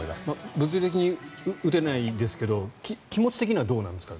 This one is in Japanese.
物理的に打てないですけど気持ち的にはどうなんですか？